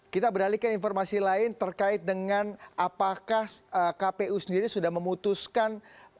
kita beralih ke informasi lain terkait dengan apakah kpu sendiri sudah memutuskan